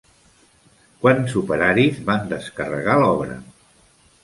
Quants operaris van descarregar l'obra?